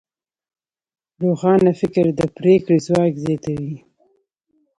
روښانه فکر د پرېکړې ځواک زیاتوي.